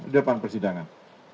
di depan persidangan